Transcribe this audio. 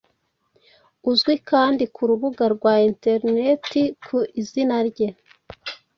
uzwi kandi ku rubuga rwa interineti ku izina rye